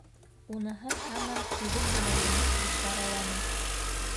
Уныһы һаман күҙен генә йомоп ишараланы.